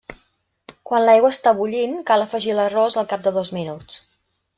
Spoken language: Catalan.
Quan l'aigua està bullint, cal afegir l'arròs al cap de dos minuts.